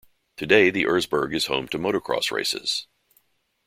Today the Erzberg is home to motocross races.